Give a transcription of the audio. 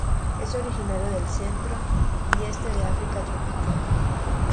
Es originario del centro y este de África tropical.